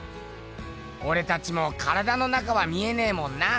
おれたちも体の中は見えねぇもんな。